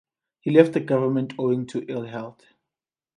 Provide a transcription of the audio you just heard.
He left the government owing to ill health.